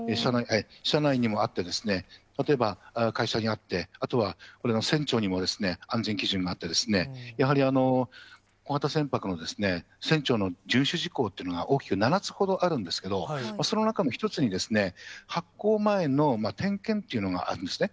社内にもあって、例えば会社にあって、あとはこれの船長にも安全基準があって、やはり小型船舶の船長の順守事項というのが大きく７つほどあるんですけれども、その中の一つに、発港前の点検というのがあるんですね。